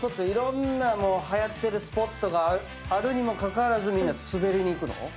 いろんなはやってるスポットがあるにもかかわらずみんな滑りに行くの？